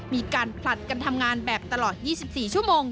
มีการผลัดกันทำงานแบบตลอด๒๔ชั่วโมง